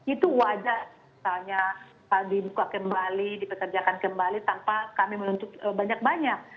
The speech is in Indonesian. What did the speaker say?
itu wajar misalnya dibuka kembali dipekerjakan kembali tanpa kami menuntut banyak banyak